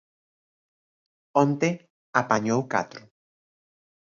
Onte apañou catro.